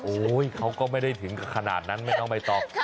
โอ้ยเขาก็ไม่ได้ถึงขนาดนั้นไม่น้องไม่ตอบ